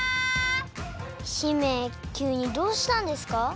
姫きゅうにどうしたんですか？